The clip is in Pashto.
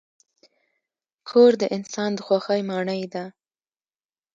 کور د انسان د خوښۍ ماڼۍ ده.